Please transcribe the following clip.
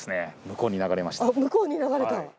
向こうに流れた。